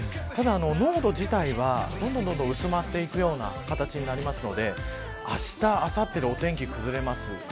濃度自体はどんどん薄まっていく形になりますのであした、あさってお天気崩れます。